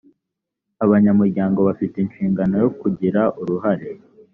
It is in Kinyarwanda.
abanyamuryango bafite inshingano yo kugira uruhare